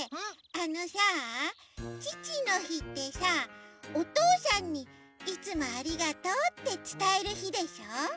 あのさちちのひってさおとうさんに「いつもありがとう」ってつたえるひでしょ？